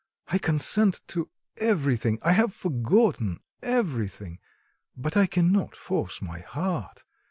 I consent to everything, I have forgotten everything; but I cannot force my heart....